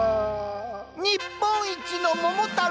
日本一の桃太郎！